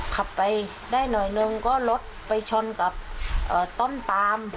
ขับไปได้หน่อยหนึ่งก็รถไปชนกับต้นปาม